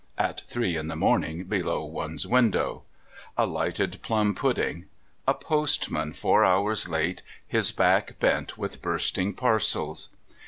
at three in the morning below one's window, a lighted plum pudding, a postman four hours late, his back bent with bursting parcels.